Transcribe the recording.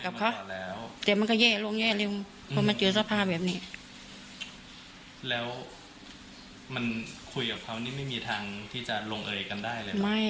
แล้วมันถึงทางที่จะลงเอ่ยกันได้เลยไหม